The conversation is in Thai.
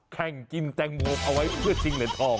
แข่งกินแตงบลูกไว้เพื่อพิทร์